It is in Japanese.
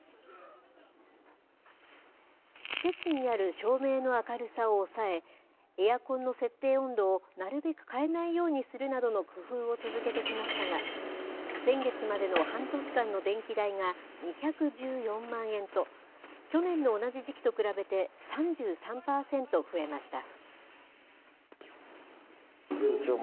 施設にある照明の明るさを抑え、エアコンの設定温度をなるべく変えないようにするなどの工夫を続けてきましたが、先月までの半年間の電気代が２１４万円と、去年の同じ時期と比べて３３％増えました。